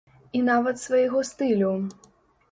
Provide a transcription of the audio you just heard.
І нават свайго стылю.